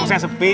kacau saya sepi